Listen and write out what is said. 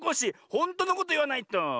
ほんとのこといわないと。